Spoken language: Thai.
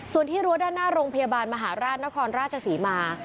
ส่วนที่รั้วด้านหน้าโรงพยาบาลมหาราชนครราชศรีมา